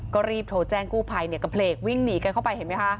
ก็รีบโทรแจ้งกู้ภัยเนี่ยกระเพลกวิ่งหนีกันเข้าไปเห็นไหมคะ